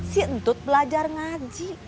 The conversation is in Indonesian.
si antut belajar ngaji